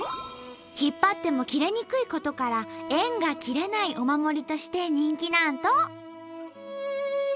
引っ張っても切れにくいことから縁が切れないお守りとして人気なんと！